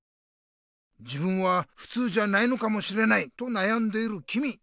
「自分はふつうじゃないのかもしれない」となやんでいるきみ。